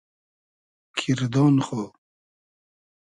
کیردۉن خو